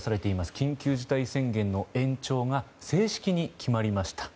緊急事態宣言の延長が正式に決まりました。